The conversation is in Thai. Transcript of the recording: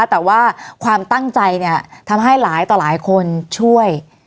แต่ว่าความตั้งใจเนี่ยทำให้หลายต่อหลายคนช่วย